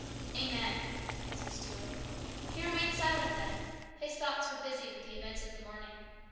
"Amen," answered Stuart. He remained silent then ; his thoughts were busy with the events of the morning.